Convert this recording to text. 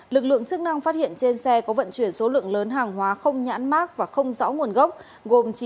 lực lượng chức năng phát hiện trên xe có vận chuyển số lượng lớn hàng hóa không nhãn mát và không rõ nguồn gốc